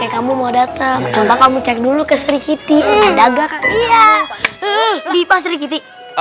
kamu mau datang coba kamu cek dulu ke seri giti